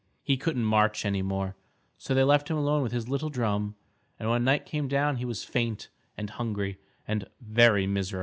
He couldn't march any more, so they left him alone with his little drum, and when night came down he was faint and hungry and very miserable.